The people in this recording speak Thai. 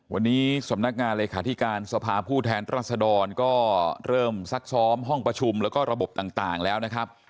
วันนี้สำนักงานเลขาธิการสภาผู้แทนรัศดรก็เริ่มซักซ้อมห้องประชุมแล้วก็ระบบต่างแล้วนะครับ